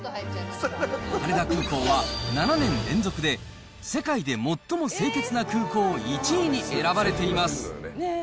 羽田空港は７年連続で、世界で最も清潔な空港１位に選ばれています。